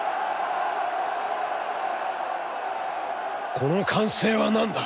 「この歓声はなんだ！